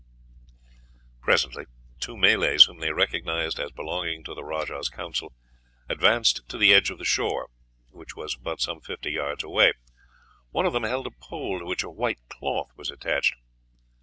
Presently two Malays, whom they recognized as belonging to the rajah's council, advanced to the edge of the shore, which was but some fifty yards away. One of them held a pole to which a white cloth was attached.